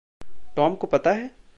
Tom को पता है?